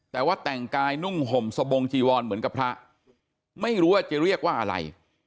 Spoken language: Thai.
แต่ว่าแต่งกายนุ่งห่มสบงจีวรเหมือนกับพระไม่รู้ว่าจะเรียกว่าอะไร